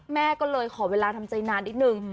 แม่ก็เลยขอเวลาทำใจนานนิดนึง